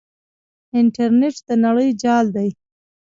انټرنیټ د نړۍ جال دی.